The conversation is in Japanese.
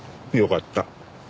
よかった。